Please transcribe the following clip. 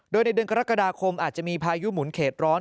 โดยในเดือนกรกฎาคมอาจจะมีพายุหมุนเขตร้อน